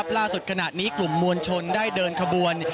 ล่าสุดขณะนี้กลุ่มมวลชนได้เดินขบวน